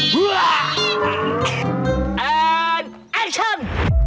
และแอคชั่น